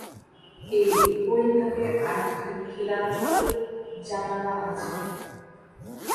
এই উপরিভাগের আটটি খিলানযুক্ত জানালা আছে।